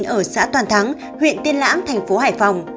ở xã toàn thắng huyện tiên lãng tp hải phòng